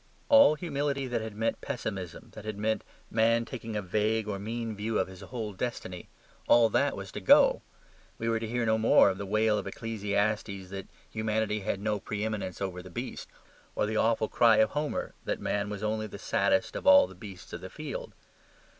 All humility that had meant pessimism, that had meant man taking a vague or mean view of his whole destiny all that was to go. We were to hear no more the wail of Ecclesiastes that humanity had no pre eminence over the brute, or the awful cry of Homer that man was only the saddest of all the beasts of the field.